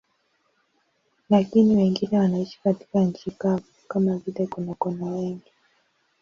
Lakini wengine wanaishi katika nchi kavu, kama vile konokono wengi.